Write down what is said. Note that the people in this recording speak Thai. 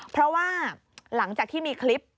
เพราะว่าหลังจากที่มีคลิป